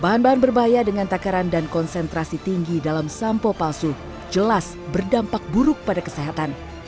bahan bahan berbahaya dengan takaran dan konsentrasi tinggi dalam sampo palsu jelas berdampak buruk pada kesehatan